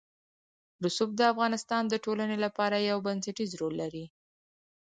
رسوب د افغانستان د ټولنې لپاره یو بنسټيز رول لري.